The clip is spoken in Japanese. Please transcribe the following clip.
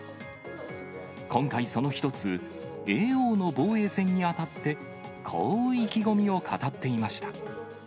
今回その一つ、叡王の防衛戦に当たって、こう意気込みを語っていました。